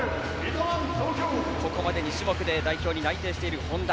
ここまで２種目で代表内定している本多。